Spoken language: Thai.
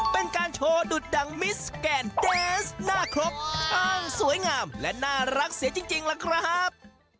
เป็นการโชว์ดุดดังมิสแกนแดนส์หน้าครบอ้างสวยงามและน่ารักเสียจริงล่ะครับ